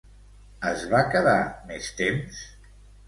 Es va quedar més temps?